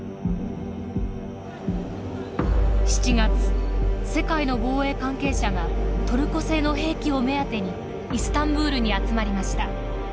７月世界の防衛関係者がトルコ製の兵器を目当てにイスタンブールに集まりました。